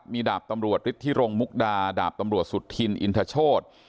มีดาบตำรวจฤทธิรงมุกดาดาบตำรวจสุธินอินทโชธ